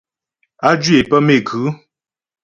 Á jwǐ é pə́ méku.